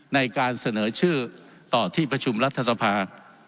ในการเสนอชื่อต่อที่ประชุมรัฐสภา